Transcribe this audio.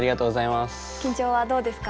緊張はどうですか？